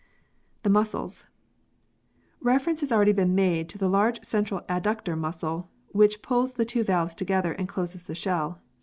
The Muscles. Reference has already been made to the large central adductor muscle which pulls the two valves together and closes the shell.